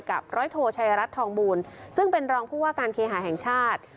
ร้อยโทชัยรัฐทองบูลซึ่งเป็นรองผู้ว่าการเคหาแห่งชาติ